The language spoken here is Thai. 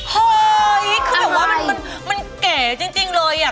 เฮ้ยคือแบบว่ามันเก๋จริงเลยอ่ะ